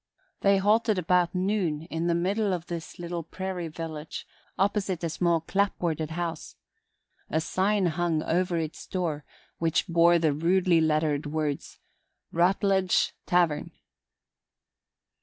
They halted about noon in the middle of this little prairie village, opposite a small clapboarded house. A sign hung over its door which bore the rudely lettered words: "Rutledge's Tavern."